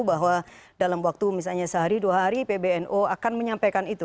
bahwa dalam waktu misalnya sehari dua hari pbnu akan menyampaikan itu